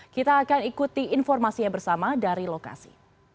kita akan ikuti informasinya bersama dari lokasi